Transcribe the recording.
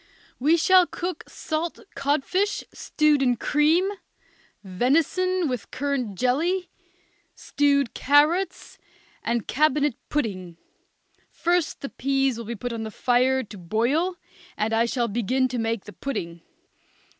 We shall cook salt codfish stewed in cream, venison with currant jelly, stewed carrots, and cabinet pudding. First the peas will be put on the fire to boil, and I shall begin to make the pudding.